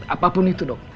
apapun itu dok